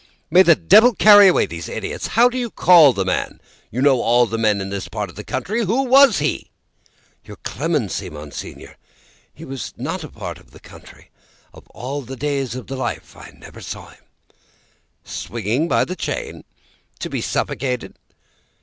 "May the Devil carry away these idiots! How do you call the man? You know all the men of this part of the country. Who was he?" "Your clemency, Monseigneur! He was not of this part of the country. Of all the days of my life, I never saw him." "Swinging by the chain? To be suffocated?"